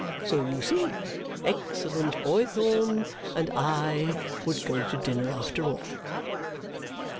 So, you see, excellent Boythorn and I would go to dinner after all!"